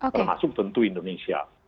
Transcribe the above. termasuk tentu indonesia